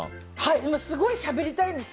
すごいしゃべりたいんですよ。